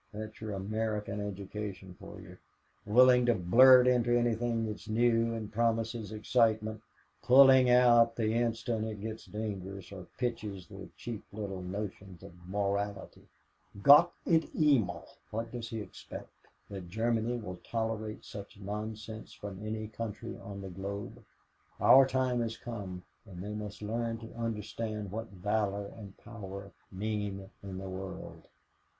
That's your American education for you willing to blurt into anything that's new and promises excitement, pulling out the instant it gets dangerous or pinches their cheap little notions of morality. Gott in Himmel! what does he expect? that Germany will tolerate such nonsense from any country on the globe? Our time has come and they must learn to understand what valor and power mean in the world."